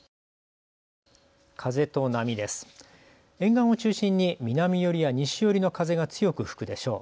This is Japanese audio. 沿岸を中心に南寄りや西寄りの風が強く吹くでしょう。